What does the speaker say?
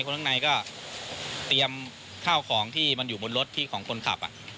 คนข้างในก็เตรียมข้าวของที่มันอยู่บนรถที่ของคนขับ